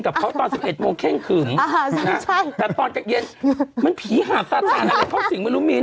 แต่ตอนจัดเย็นมันผีหาบตากฐานอะไรเข้าสิ้นไปมิ้น